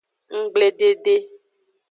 Nggbledede.